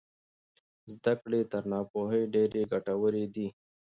زده کړې تر ناپوهۍ ډېرې ګټورې دي.